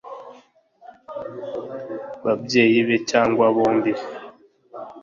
babyeyi be cyangwa bombi